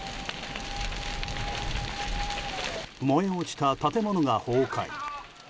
燃え落ちた建物が崩壊。